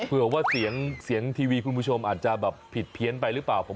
เผื่อว่าเสียงทีวีคุณผู้ชมอาจจะแบบผิดเพี้ยนไปหรือเปล่า